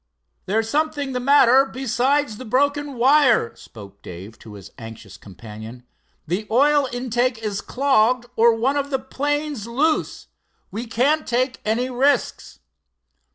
"There's something the matter besides the broken wire," spoke Dave to his anxious companion. "The oil intake is dogged or one of the planes loose. We can't take any risks."